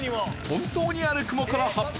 本当にある雲から発表。